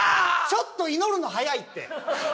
ちょっと祈るの早いって。